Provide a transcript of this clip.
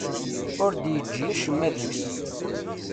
Ur d-yeǧǧi acemma deg-s.